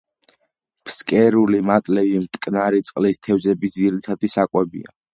ფსკერული მატლები მტკნარი წყლის თევზების ძირითადი საკვებია.